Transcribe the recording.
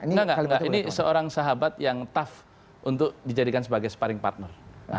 enggak enggak ini seorang sahabat yang tough untuk dijadikan sebagai sparring partner